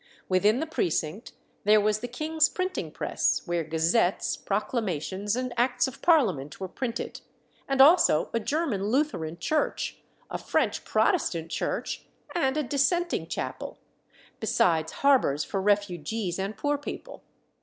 Within the precinct there was the king's printing press, where gazettes, proclamations, and Acts of Parliament were printed; and also a German Lutheran church, a French Protestant church, and a Dissenting chapel; besides "harbours for refugees and poor people."